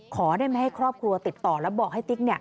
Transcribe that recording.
ขอได้ไม่ให้ครอบครัวติดต่อแล้วบอกให้ติ๊ก